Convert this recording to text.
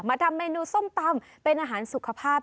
ทำเมนูส้มตำเป็นอาหารสุขภาพ